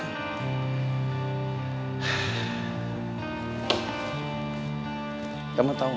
mungkin dia ikut tafakuran